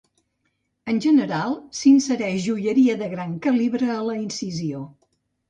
En general, s'insereix joieria de gran calibre a la incisió.